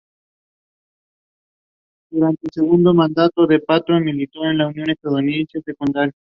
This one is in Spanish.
Durante el segundo mandato de Perón, militó en la Unión de Estudiantes Secundarios.